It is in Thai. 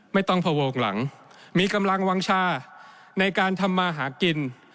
ไม่ต้องผโวกหลังมีกำลังวางชาในการทำมาหากิน